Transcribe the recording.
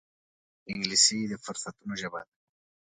انګلیسي د فرصتونو ژبه ده